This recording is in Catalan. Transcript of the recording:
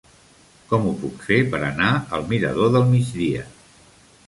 Com ho puc fer per anar al mirador del Migdia?